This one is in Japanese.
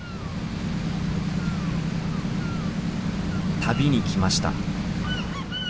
旅に来ました。